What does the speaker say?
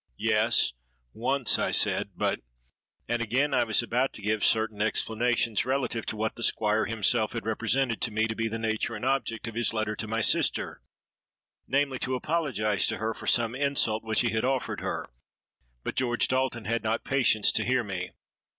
—'Yes, once,' I said: 'but——.' And again I was about to give certain explanations relative to what the Squire himself had represented to me to be the nature and object of his letter to my sister—namely, to apologise to her for some insult which he had offered her: but George Dalton had not patience to hear me.